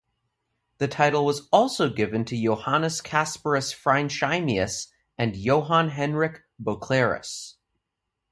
The title was also given to Johannes Casparus Freinsheimius and Johan Henrik Boeclerus.